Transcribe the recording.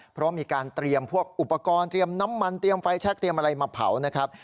เพราะมีการเตรียมพวกอุปกรณ์เตรียมน้ำมันเตรียมไฟแชคเตรียมอะไรมาเผานะครับ